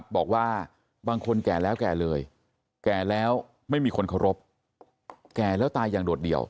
บอกว่าบางคนแก่แล้วแก่เลยแก่แล้วไม่มีคนเคารพแก่แล้วตายอย่างโดดเดี่ยว